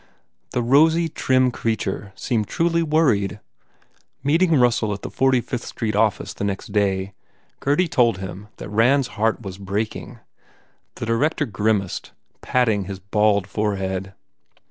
The rosy, trim creature seemed truly worried. Meeting Russell at the 45th Street office the next day, Gurdy told him that Rand s heart was break ing. The director grimaced, patting his bald forehead.